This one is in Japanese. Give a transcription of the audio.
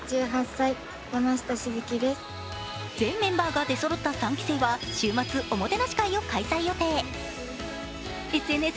全メンバーが出そろったメンバーは週末、おもてなし会を開催予定